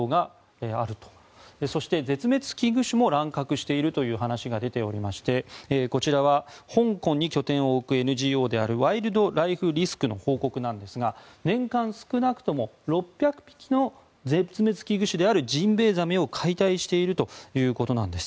そして、絶滅危惧種も乱獲しているという話が出ていましてこちらは、香港に拠点を置くＮＧＯのワイルド・ライフ・リスクの報告ですが年間少なくとも６００匹の絶滅危惧種であるジンベエザメを解体しているということです。